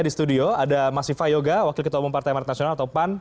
di studio ada mas viva yoga wakil ketua umum partai amarat nasional atau pan